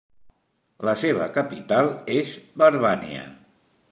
La seva capital és Verbania.